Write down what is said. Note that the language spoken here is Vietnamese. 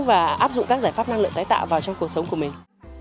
và áp dụng các giải pháp năng lượng tái tạo vào trong cuộc sống của mình